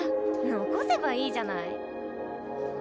・残せばいいじゃない。